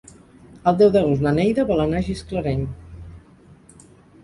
El deu d'agost na Neida vol anar a Gisclareny.